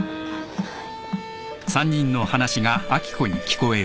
はい。